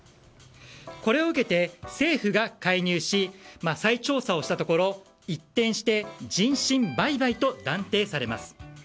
これを受けて政府が介入し再調査をしたところ一転して人身売買と断定されます。